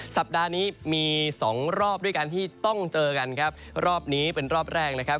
สัปดาห์นี้มีสองรอบด้วยกันที่ต้องเจอกันครับรอบนี้เป็นรอบแรกนะครับ